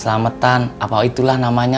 selamatan apa itulah namanya